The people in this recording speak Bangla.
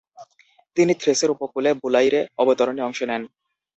তিনি থ্রেসের উপকূলে বুলাইরে অবতরণে অংশ নেন।